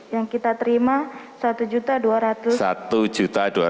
yang kita terima rp satu dua ratus